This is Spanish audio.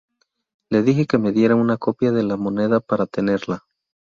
Le dije que me diera una copia de la moneda para tenerla.